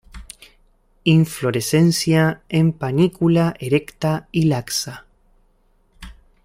Inflorescencia en panícula erecta y laxa.